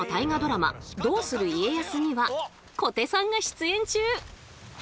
「どうする家康」には小手さんが出演中。